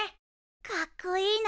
かっこいいなあ。